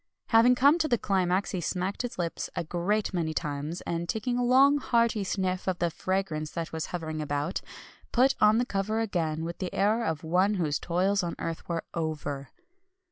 Having come to the climax, he smacked his lips a great many times, and taking a long hearty sniff of the fragrance that was hovering about, put on the cover again with the air of one whose toils on earth were over.